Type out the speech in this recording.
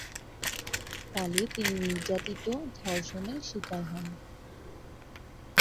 ফলে তিনি নির্যাতন, ধর্ষণের শিকার হন।